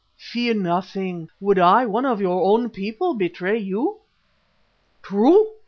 Fear nothing. Would I, one of your own people, betray you?" "True!"